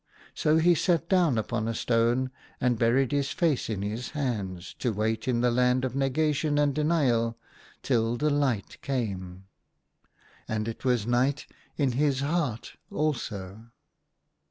So he sat down upon a stone and buried his face in his hands, to wait in that Land of Negation and Denial till the light came. And it was night in his heart also.